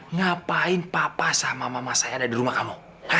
ngapain papa sama mama saya ada di rumah kamu